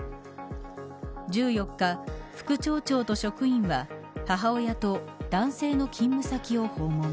１４日、副町長と職員は母親と男性の勤務先を訪問。